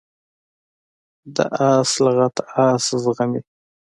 د آس لغته آس زغمي.